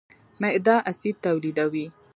معده اسید تولیدوي.